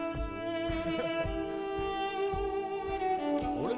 あれ？